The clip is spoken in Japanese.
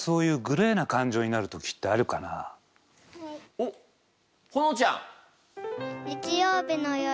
おっほのちゃん。